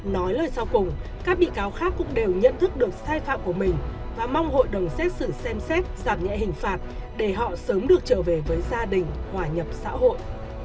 nói lời sau cùng các bị cáo khác cũng đều nhận thức được sai phạm của mình và mong hội đồng xét xử xem xét giảm nhẹ hình phạt để họ sớm được trở về với gia đình hòa nhập xã hội